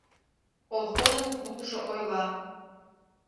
Колхозын клубшо ойла!